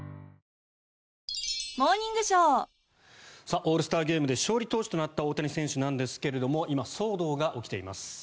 オールスターゲームで勝利投手となった大谷選手なんですが今、騒動が起きています。